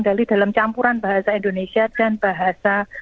dali dalam campuran bahasa indonesia dan bahasa